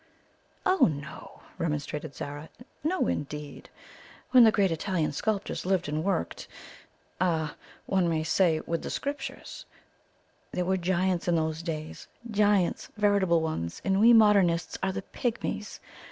"Oh, no!" remonstrated Zara; "no, indeed! When the great Italian sculptors lived and worked ah! one may say with the Scriptures, 'There were giants in those days.' Giants veritable ones; and we modernists are the pigmies.